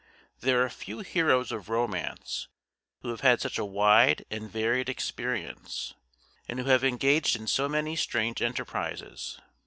There are few heroes of romance who have had such a wide and varied experience, and who have engaged in so many strange enterprises.